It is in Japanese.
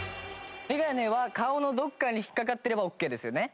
メガネは顔のどこかに引っかかってればオッケーですよね？